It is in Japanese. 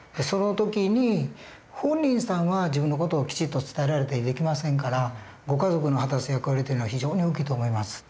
その時に本人さんは自分の事をきちっと伝えられたりできませんからご家族の果たす役割というのは非常に大きいと思います。